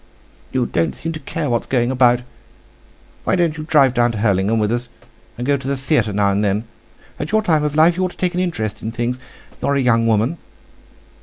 "You don't seem to care about going about. Why don't you drive down to Hurlingham with us? And go to the theatre now and then. At your time of life you ought to take an interest in things. You're a young woman!"